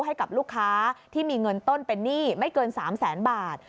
ให้กับลูกค้าที่มีเงินต้นเป็นหนี้ไม่เกิน๓แสนบาท